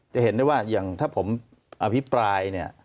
จะเห็นได้ว่าอย่างถ้าผมอภิปรายเนี่ย